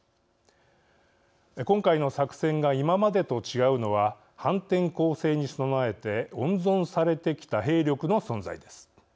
今回の作戦が今までと違うのは反転攻勢に備えて温存されてきた兵力の存在です。